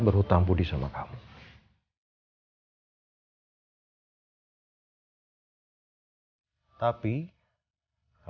kamu tunggu sebentar lagi ya